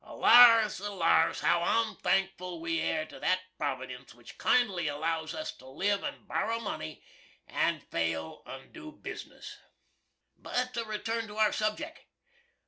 Alars! alars! how onthankful we air to that Providence which kindly allows us to live and borrow money, and fail und do bizniss! But to return to our subjeck.